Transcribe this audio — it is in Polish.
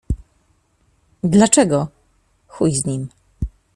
Dlaczego? Chuj z nim.